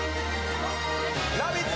「ラヴィット！」